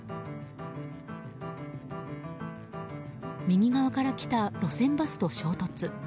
右側から来た路線バスと衝突。